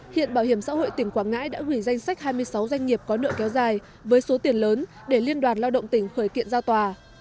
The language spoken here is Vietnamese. hiện bảo hiểm xã hội tỉnh quảng ngãi đã gửi danh sách hai mươi sáu doanh nghiệp có nợ kéo dài với số tiền lớn để liên đoàn lao động tỉnh khởi kiện ra tòa